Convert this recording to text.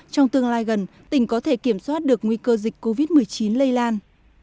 trong tương lai gần tỉnh có thể kiểm soát được nguy cơ dịch covid một mươi chín lây lan